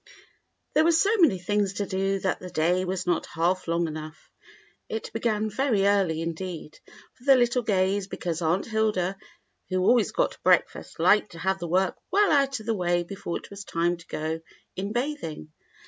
There were so many things to do that the day was not half long enough. It began very early, indeed, for the little Gays, because Aunt Hilda, who always got breakfast, liked to have the work well out of the way before it was time to go in bathing.